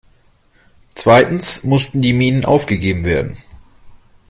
Zweitens mussten die Minen aufgegeben werden.